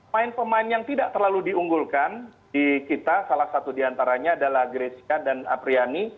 main pemain yang tidak terlalu diunggulkan di kita salah satu diantaranya adalah grecia dan apriani